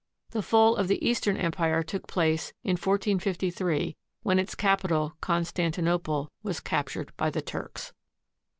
The fall of the Eastern Empire took place in 1453, when its capital, Constantinople, was captured by the Turks.